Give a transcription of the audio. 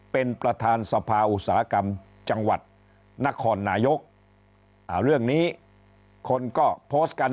เป็นประธานสภาอุตสาหกรรมจังหวัดนครนายกเรื่องนี้คนก็โพสต์กัน